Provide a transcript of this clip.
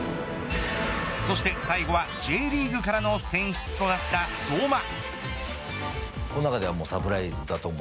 そして最後は、Ｊリーグからの選出となった相馬。